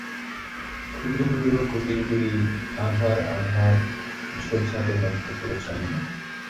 ক্ষুদ্র ক্ষুদ্র কুটিরগুলি আঁধার আঁধার ঝোপঝাপের মধ্যে প্রচ্ছন্ন।